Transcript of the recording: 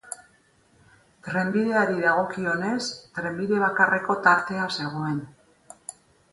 Trenbideari dagokionez, trenbide bakarreko tartea zegoen.